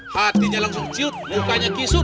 hatinya langsung cilt mukanya kisup